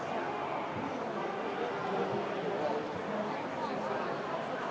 สวัสดีครับ